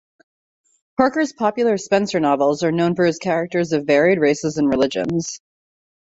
Parker's popular Spenser novels are known for his characters of varied races and religions.